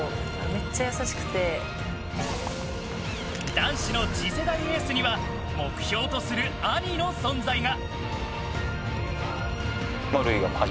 男子の次世代エースには目標とする兄の存在が。